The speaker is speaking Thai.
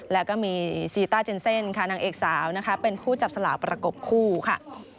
แล้วก็มีซีต้าเจนเซ่นค่ะนางเอกสาวนะคะเป็นผู้จับสลากประกบคู่ค่ะ